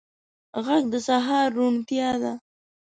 غږ د سهار روڼتیا ده